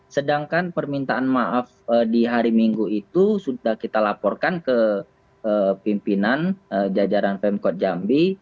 sedangkan permintaan maaf di hari minggu itu sudah kita laporkan ke pimpinan jajaran pemkot jambi